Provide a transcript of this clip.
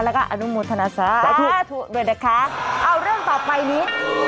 แล้วก็อนุมูลธนาศาสตร์ด้วยนะคะเอ้าเรื่องต่อไปนี้